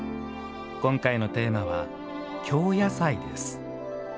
今回のテーマは「京野菜」です。